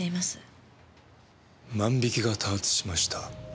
「万引きが多発しました」